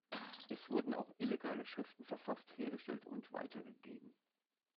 Es wurden auch illegale Schriften verfasst, hergestellt und weitergegeben.